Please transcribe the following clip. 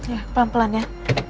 ya pelan pelan ya